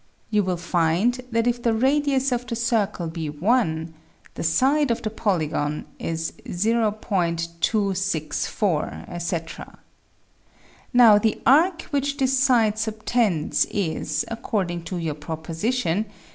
You will find that if the radius of the circle be one, the side of the polygon is .264, etc. Now the arc which this side subtends is, accord ing to your proposition, =.